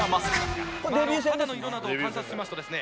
肌の色などを観察しますとですね